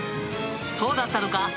そうだったのか！